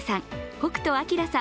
北斗晶さん